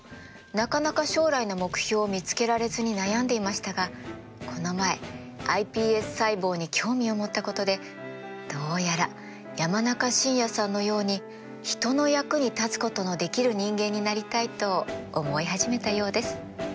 なかなか将来の目標を見つけられずに悩んでいましたがこの前ｉＰＳ細胞に興味を持ったことでどうやら山中伸弥さんのように人の役に立つことのできる人間になりたいと思い始めたようです。